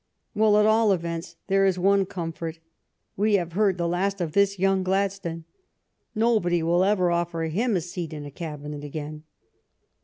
Well, at all events, there is one comfort — we have heard the last of this young Gladstone ! Nobody will ever offer him a seat in a Cabinet again